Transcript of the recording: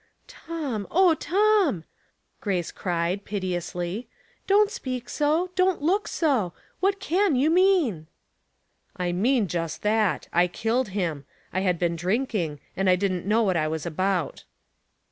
" Tom ! O Tom !" Grace cried, piteously, "don't speak so, don't look so. What can you mean ?" "I mean just that; I killed him. I had been drinking, and I didn't know what I was about."